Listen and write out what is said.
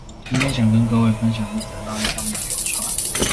今天想跟各位分享一則賴上面流傳